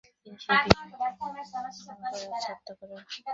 তিনি সেই বিষ পান করে আত্মহত্যা করেন।